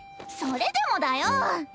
それでもだよ！